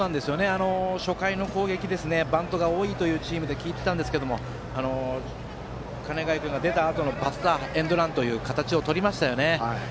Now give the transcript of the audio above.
初回の攻撃ではバントが多いチームと聞いていましたが鐘ヶ江君が出たあとのバスターエンドランという形をとりましたよね。